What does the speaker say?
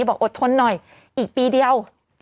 บอกอดทนหน่อยอีกปีเดียว